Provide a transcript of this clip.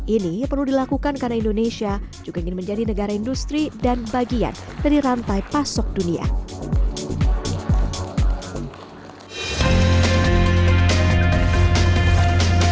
ini perlu dilakukan karena indonesia juga ingin menjadi negara industri dan bagian dari rantai pasok dunia